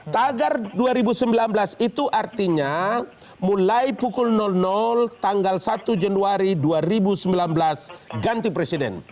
tagar dua ribu sembilan belas itu artinya mulai pukul tanggal satu januari dua ribu sembilan belas ganti presiden